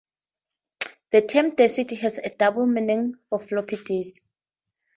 The term density has a double meaning for floppy disks.